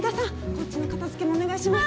こっちの片付けもお願いします。